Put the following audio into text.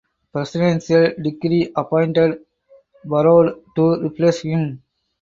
Presidential decree appointed Baroud to replace him.